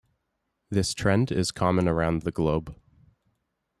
This trend is common around the globe.